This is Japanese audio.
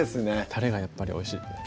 たれがやっぱりおいしいですね